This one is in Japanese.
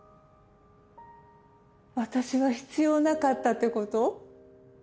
私は必要なかったって事？